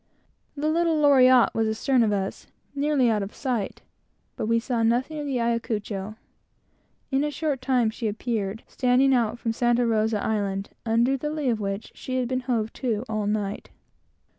The little Loriotte was astern of us, nearly out of sight; but we saw nothing of the Ayacucho. In a short time she appeared, standing out from Santa Rosa Island, under the lee of which she had been hove to, all night.